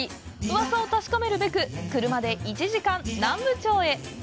うわさを確かめるべく、車で１時間、南部町へ。